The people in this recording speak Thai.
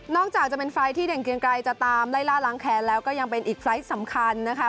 จากจะเป็นไฟล์ที่เด่นเกียงไกรจะตามไล่ล่าล้างแค้นแล้วก็ยังเป็นอีกไฟล์ทสำคัญนะคะ